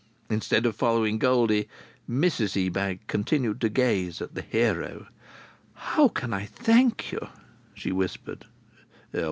Instead of following Goldie, Mrs Ebag continued to gaze at the hero. "How can I thank you!" she whispered.